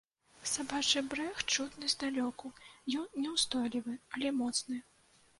Сабачы брэх чутны здалёку, ён няўстойлівы, але моцны.